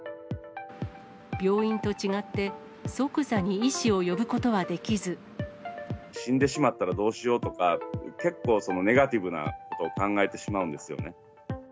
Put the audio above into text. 病院と違って、死んでしまったらどうしようとか、結構、ネガティブなことを考えてしまうんですよね。